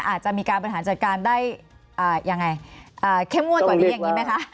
อาจจะมีการปัญหาจัดการได้แค่ม่วนกว่าดีอย่างนี้ไหมคะ